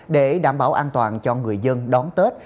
để đảm bảo an toàn cho người dân đón tết